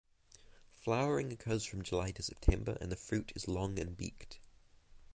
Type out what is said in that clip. Flowering occurs from July to September and the fruit is long and beaked.